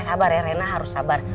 sabar ya rena harus sabar